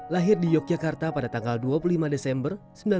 lahir di yogyakarta pada tanggal dua puluh lima desember seribu sembilan ratus empat puluh